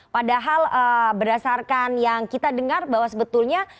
padahal berdasarkan yang kita dengar bahwa sebetulnya